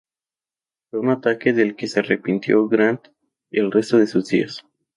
Fue un ataque del que se arrepintió Grant el resto de sus días.